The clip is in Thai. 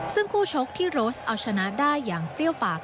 ซึ่งคู่ชกที่โรสเอาชนะได้อย่างเปรี้ยวปาก